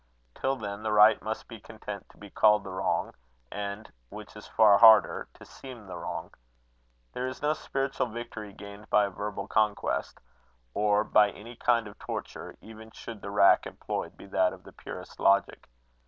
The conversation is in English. Till then, the Right must be content to be called the Wrong, and which is far harder to seem the Wrong. There is no spiritual victory gained by a verbal conquest; or by any kind of torture, even should the rack employed be that of the purest logic.